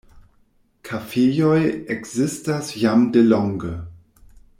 Kafejoj ekzistas jam delonge.